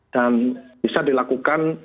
dan bisa dilakukan